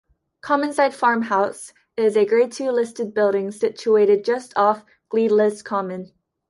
Commonside farmhouse is a grade two listed building situated just off Gleadless Common.